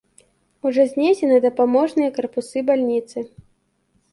Ужо знесены дапаможныя карпусы бальніцы.